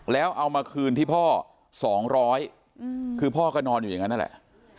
แล้วเอามาคืนที่พ่อ๒๐๐คือพ่อก็นอนอยู่อย่างนั้นนั่นแหละ